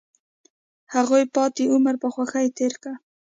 هغوی پاتې عمر په خوښۍ تیر کړ.